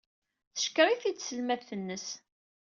Teckeṛ-iten-id tselmadt-nsen.